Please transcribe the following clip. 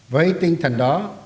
với tinh thần đó